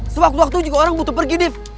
sewaktu waktu juga orang butuh pergi div